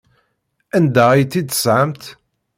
Anda ay tt-id-tesɣamt?